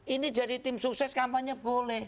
ini jadi tim sukses kampanye boleh